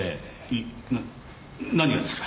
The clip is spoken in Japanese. な何がですか？